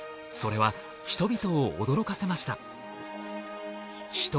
それは人々を驚かせました。